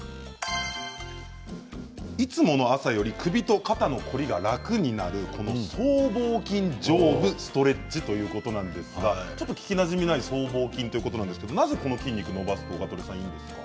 いつもの朝より首と肩の凝りが楽になる僧帽筋上部ストレッチということなんですがちょっと聞きなじみがない僧帽筋ということなんですがまずこの筋肉を伸ばすのがいいんですか。